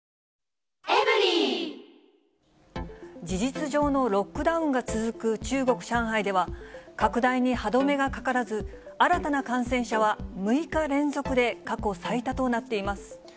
事実上のロックダウンが続く中国・上海では、拡大に歯止めがかからず、新たな感染者は、６日連続で過去最多となっています。